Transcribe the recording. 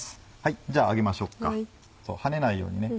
じゃあ揚げましょうか跳ねないようにね。